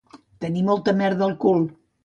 Tenir molta merda al cul